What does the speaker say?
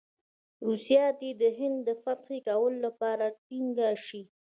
روسیه دې د هند د فتح کولو لپاره ټینګه شي.